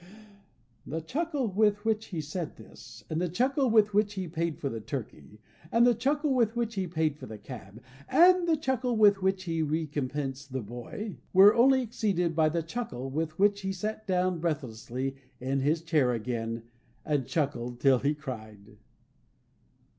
The chuckle with which he said this, and the chuckle with which he paid for the turkey, and the chuckle with which he paid for the cab, and the chuckle with which he recompensed the boy, were only exceeded by the chuckle with which he sat down breathlessly in his chair again, and chuckled till he cried.